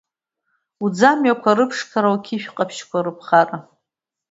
Уӡамҩақәа рыԥшқара, уқьышә ҟаԥшьқәа рыԥхара.